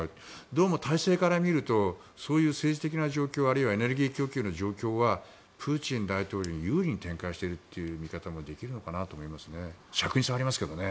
どうも体制から見るとそういう政治的な状況あるいはエネルギー供給の状況はプーチン大統領に有利に展開しているという見方もできるのかなという気がしますね。